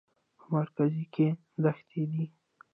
په مرکز کې دښتې دي.